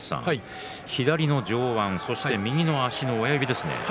左の上腕、右の足の親指ですね。